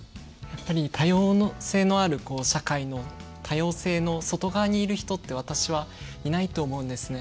多様性のある社会の多様性の外側にいる人って私はいないと思うんですね。